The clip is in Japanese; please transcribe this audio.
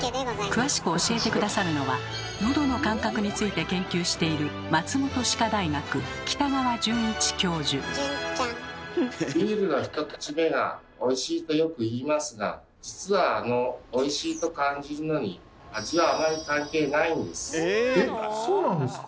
詳しく教えて下さるのはのどの感覚について研究しているとよく言いますが実はあの「おいしい」と感じるのに味はあまり関係ないんです。